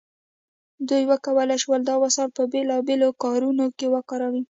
دوی وکولی شول دا وسایل په بیلابیلو کارونو وکاروي.